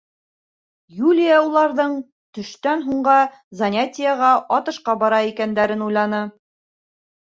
Юлия уларҙың төштән һуңғы занятиеға — атышҡа бара икәндәрен уйланы.